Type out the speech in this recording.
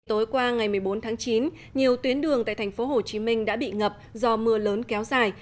tối qua ngày một mươi bốn tháng chín nhiều tuyến đường tại thành phố hồ chí minh đã bị ngập do mưa lớn kéo dài